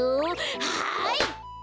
はい！